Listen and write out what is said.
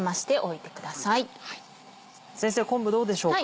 先生昆布どうでしょうか？